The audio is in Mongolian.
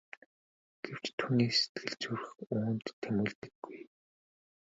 Гэвч түүний сэтгэл зүрх үүнд тэмүүлдэггүй.